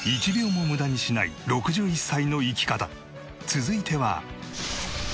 続いては。